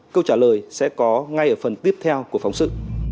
câu trả lời sẽ có ngay ở phần tiếp theo của phóng sự